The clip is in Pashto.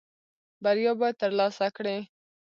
بریا به ترلاسه کړې .